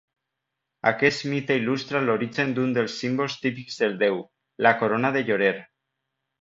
Aquest mite il·lustra l'origen d'un dels símbols típics del déu, la corona de llorer.